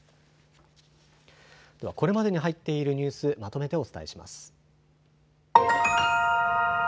では、これまでに入っているニュースをまとめてお伝えします。